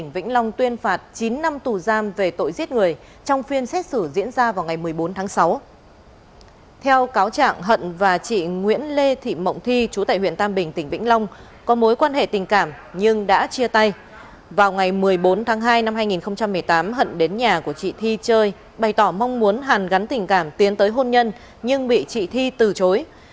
vào ngày một mươi bốn tháng hai năm hai nghìn một mươi tám hận đến nhà của chị thi chơi bày tỏ mong muốn hàn gắn tình cảm tiến tới hôn nhân nhưng bị chị thi từ chối